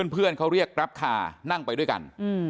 พื้นเขาเรียกรับคานั่งไปด้วยกัน